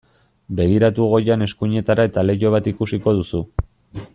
Begiratu goian eskuinetara eta leiho bat ikusiko duzu.